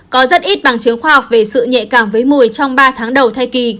có rất ít bằng chiếu khoa học về sự nhạy cảm với mùi trong ba tháng đầu thai kỳ